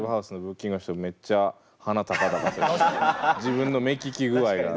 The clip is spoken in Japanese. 多分自分の目利き具合が。